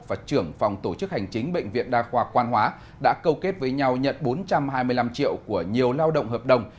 và trưởng phòng tổ chức hành chính bệnh viện đa khoa quan hóa đã câu kết với nhau nhận bốn trăm hai mươi năm triệu của nhiều lao động hợp đồng